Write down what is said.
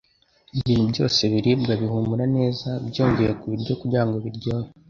Ibintu byose biribwa, bihumura neza byongewe kubiryo kugirango biryohe